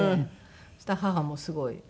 そしたら母もすごい喜んで。